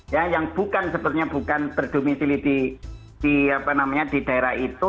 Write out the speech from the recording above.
ya yang bukan sepertinya bukan berdomisili di apa namanya di daerah itu